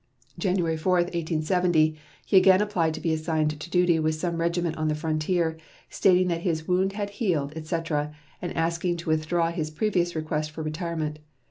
January 4, 1870, he again applied to be assigned to duty with some regiment on the frontier, stating that his wound had healed, etc., and asking to withdraw his previous request for retirement.